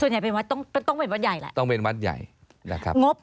ใหญ่เป็นวัดต้องต้องเป็นวัดใหญ่แหละต้องเป็นวัดใหญ่นะครับงบ